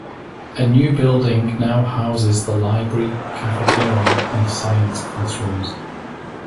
A new building now houses the library, cafeteria, and science classrooms.